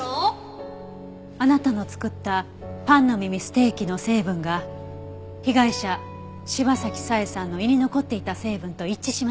あなたの作ったパンの耳ステーキの成分が被害者柴崎佐江さんの胃に残っていた成分と一致しました。